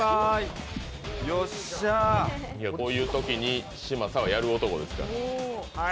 こういうときに嶋佐はやる男ですから。